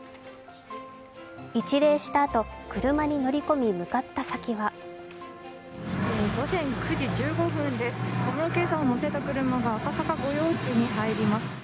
一礼したあと、車に乗り込み向かった先は午前９時１５分です、小室圭さんを乗せた車が赤坂御用地に入ります。